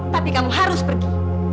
tapi kamu harus pergi